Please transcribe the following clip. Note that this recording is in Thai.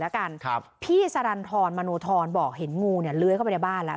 แล้วกันครับพี่สรรทรมโนธรบอกเห็นงูเนี่ยเลื้อยเข้าไปในบ้านแล้ว